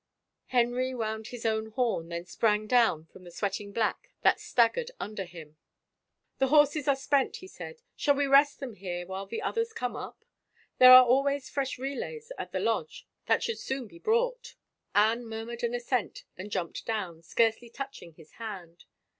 Henry wound his own horn, then sprang down from the sweating black that staggered under him. 103 THE FAVOR OF KINGS " The horses are spent," he said. " Shall we rest them here while the others come up ? There are fresh relays at the lodge that should soon be brought." Anne murmured an assent and jumped down, scarcely touching his hand.